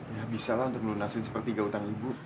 ya bisa lah untuk melunaskan sepertiga hutang ibu